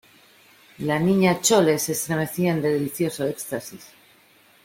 y la Niña Chole se estremecía en delicioso éxtasis